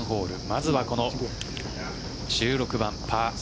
まずは、この１６番、パー３。